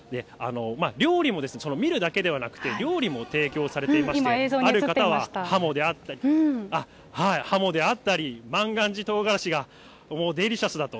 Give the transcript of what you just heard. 料理も見るだけではなくて、提供されていまして、ある方は、ハモであったり、万願寺とうがらしがもうデリシャスだと。